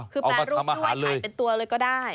คือแปรรูปด้วยถ่ายเป็นตัวเลยก็ได้